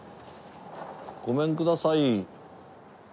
ごめんください。